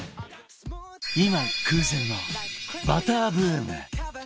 今空前のバターブーム！